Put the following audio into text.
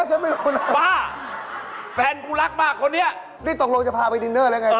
ฉันไม่รู้นะบ้าแฟนกูรักมากคนนี้นี่ตกลงจะพาไปดินเนอร์อะไรไงต่อ